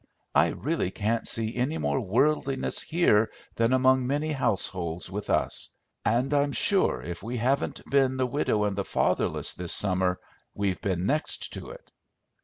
I really can't see any more worldliness here than among many households with us; and I'm sure if we haven't been the widow and the fatherless this summer, we've been next to it."